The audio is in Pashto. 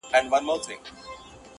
چي خپل ځان یې د خاوند په غېږ کي ورکړ،